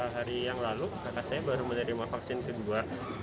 hari yang lalu kakak saya baru menerima vaksin kedua